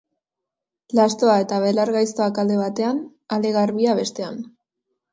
Lastoa eta belar gaiztoak alde batean, ale garbia bestean.